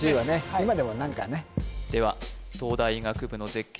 今でも何かねでは東大医学部の絶景